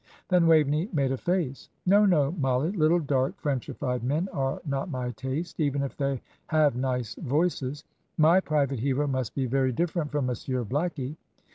Then Waveney made a face. "No, no, Mollie, little dark Frenchified men are not my taste, even if they have nice voices. My private hero must be very different from Monsieur Blackie."